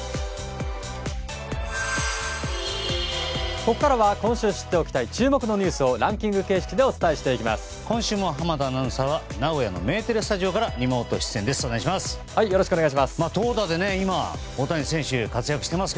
ここからは今週知っておきたい注目のニュースをランキング形式でお伝えしていきます。